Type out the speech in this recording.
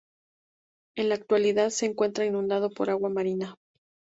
En la actualidad se encuentra inundado por agua marina.